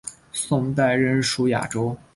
宋代仍属雅州。